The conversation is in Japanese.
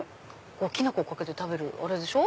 きな粉かけて食べるあれでしょ？